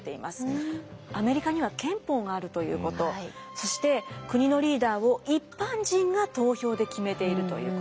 アメリカには憲法があるということそして国のリーダーを一般人が投票で決めているということ。